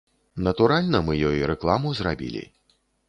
Натуральна, мы ёй рэкламу зрабілі.